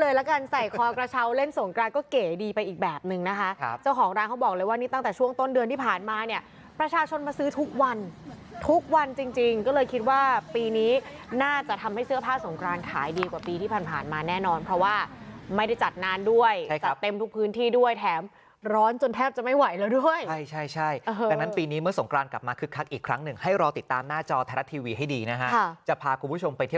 แล้วเล่นสงกรานก็เก๋ดีไปอีกแบบหนึ่งนะคะเจ้าของร้านเขาบอกเลยว่านี่ตั้งแต่ช่วงต้นเดือนที่ผ่านมาเนี่ยประชาชนมาซื้อทุกวันทุกวันจริงจริงก็เลยคิดว่าปีนี้น่าจะทำให้เสื้อผ้าสงกรานขายดีกว่าปีที่ผ่านมาแน่นอนเพราะว่าไม่ได้จัดนานด้วยจัดเต็มทุกพื้นที่ด้วยแถมร้อนจนแทบจะไม่ไหวแล้วด้วยใช